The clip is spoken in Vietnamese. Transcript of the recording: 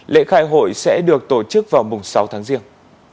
lễ khai hội sẽ được tổ chức vào mùng sáu tháng riêng